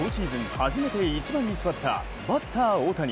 初めて１番に座ったバッター・大谷。